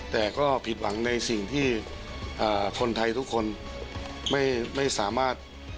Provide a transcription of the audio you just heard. แต่ก็ผิดหวังในสิ่งที่คนไทยทุกคนไม่สามารถ